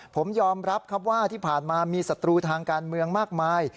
ผมยอมรับครับว่าที่ผ่านมามีศัตรูทางการเมืองมากมาย